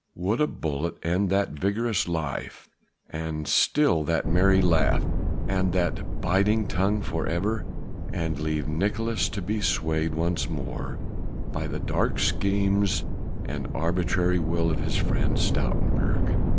Would a bullet end that vigorous life and still that merry laugh and that biting tongue for ever, and leave Nicolaes to be swayed once more by the dark schemes and arbitrary will of his friend Stoutenburg?